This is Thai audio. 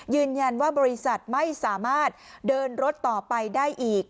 บริษัทไม่สามารถเดินรถต่อไปได้อีก